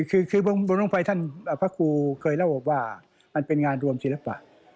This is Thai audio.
คือบนลงไปท่านพระครูเคยเล่าบอกว่ามันเป็นงานรวมศิลปะ